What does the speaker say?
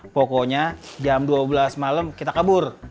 pokoknya jam dua belas malam kita kabur